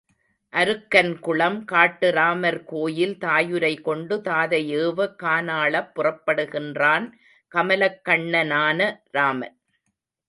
அருக்கன் குளம் காட்டுராமர் கோயில் தாயுரை கொண்டு தாதை ஏவ கானாளப் புறப்படுகின்றான் கமலக்கண்ணனான ராமன்.